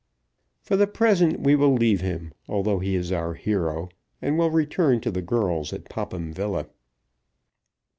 For the present we will leave him, although he is our hero, and will return to the girls at Popham Villa.